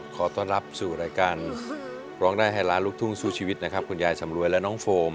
ขอต้อนรับสู่รายการร้องได้ให้ล้านลูกทุ่งสู้ชีวิตนะครับคุณยายสำรวยและน้องโฟม